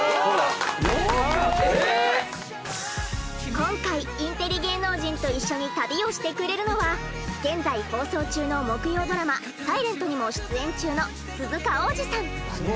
今回インテリ芸能人と一緒に旅をしてくれるのは現在放送中の木曜ドラマ「ｓｉｌｅｎｔ」にも出演中の鈴鹿央士さん。